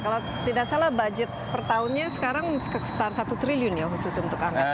kalau tidak salah budget per tahunnya sekarang sekitar satu triliun ya khusus untuk angkatan